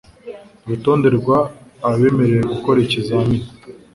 Urutonde rw abemerewe gukora ikizamini